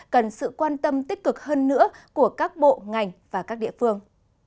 cần sự quan tâm tích cực hơn nữa của các bộ ngành và các địa phương